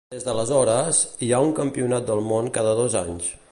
Des d'aleshores, hi ha un Campionat del Món cada dos anys.